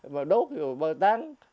mà đốt rồi bà tán